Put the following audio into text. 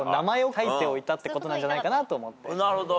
なるほど。